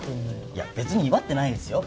いや別に威張ってないですよ。